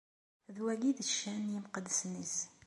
D wagi i d ccan n yimqeddsen-is.